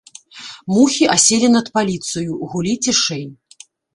Мухі аселі над паліцаю, гулі цішэй.